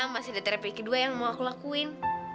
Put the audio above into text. masih ada terapi kedua yang mau aku lakuin